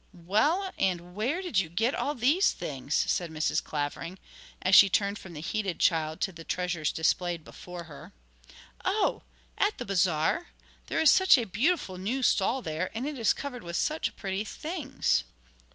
'Well, and where did you get all these things?' said Mrs. Clavering, as she turned from the heated child to the treasures displayed before her. 'Oh, at the Bazaar! There is such a beautiful new stall there, and it is covered with such pretty things!'